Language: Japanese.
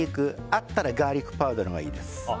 あったらガーリックパウダーのほうがいいです。